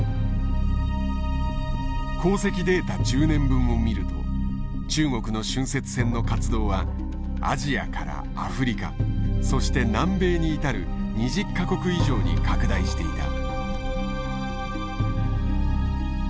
航跡データ１０年分を見ると中国の浚渫船の活動はアジアからアフリカそして南米に至る２０か国以上に拡大していた。